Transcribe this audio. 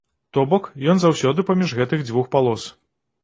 То бок, ён заўсёды паміж гэтых дзвюх палос.